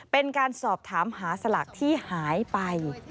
เป็นการสอบถามหาสลากที่หายไป